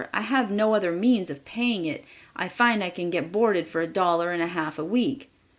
I have no other means of paying it. I find I can get boarded for a dollar and a half a week."